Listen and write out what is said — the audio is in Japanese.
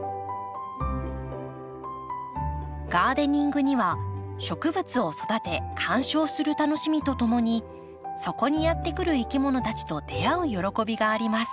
ガーデニングには植物を育て観賞する楽しみとともにそこにやって来るいきものたちと出会う喜びがあります。